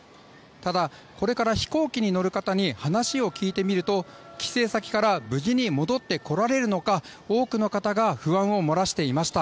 ただ、これから飛行機に乗る方に話を聞いてみると帰省先から無事に戻ってこられるのか多くの方が不安を漏らしていました。